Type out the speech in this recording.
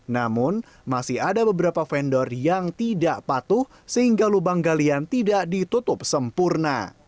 namun masih ada beberapa vendor yang tidak patuh sehingga lubang galian tidak ditutup sempurna